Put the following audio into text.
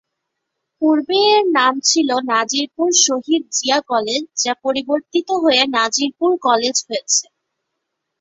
পুর্বে এর নাম ছিলো নাজিরপুর শহিদ জিয়া কলেজ যা পরিবর্তিত হয়ে নাজিরপুর কলেজ হয়েছে।